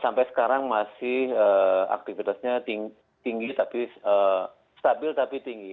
sampai sekarang masih aktivitasnya tinggi tapi stabil tapi tinggi